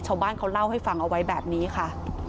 ชาวบ้านเขาเล่าให้ฟังเอาไว้แบบนี้ค่ะ